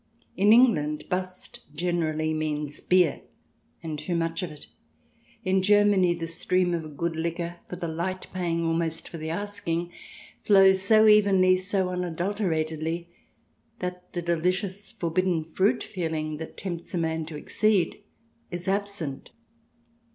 In England "bust" generally means beer, and too much of it. In Germany the stream of good liquor, for the light paying almost for the asking, flows so evenly, so unadulteratedly, that the delicious forbidden fruit feeling that tempts a man to exceed is absent.